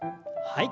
はい。